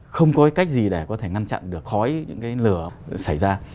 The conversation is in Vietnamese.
không có cái cách gì để có thể ngăn chặn được khói những cái lửa xảy ra